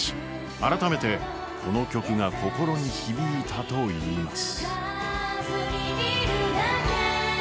改めてこの曲が心に響いたといいます。